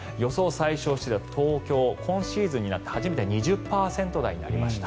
最小湿度東京、今シーズンになって初めて２０％台になりました。